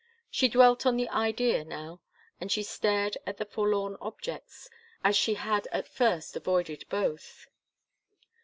She dwelt on the idea now, and she stared at the forlorn objects, as she had at first avoided both.